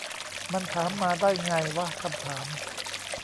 มันถามมาได้ไงวะ คำถาม